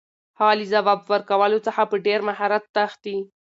هغه له ځواب ورکولو څخه په ډېر مهارت تښتي.